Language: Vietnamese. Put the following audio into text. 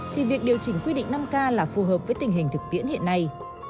thì việc điều chỉnh quy định năm k là phù hợp với tình hình thực tiễn hiện nay